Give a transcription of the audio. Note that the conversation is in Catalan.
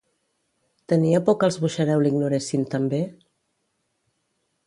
Tenia por que els Buxareu l'ignoressin també?